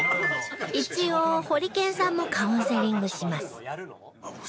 一応ホリケンさんもカウンセリングします